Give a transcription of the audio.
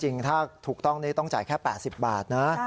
จริงถ้าถูกต้องนี้ต้องจ่ายแค่๘๐บาทนะ